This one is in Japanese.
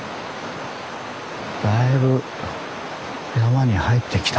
だいぶ山に入ってきた。